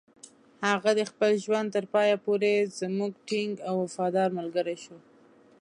هغه د خپل ژوند تر پایه پورې زموږ ټینګ او وفادار ملګری شو.